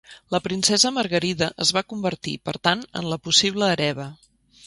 La princesa Margarida es va convertir, per tant, en la possible hereva.